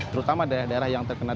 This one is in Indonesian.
terutama daerah daerah yang terkena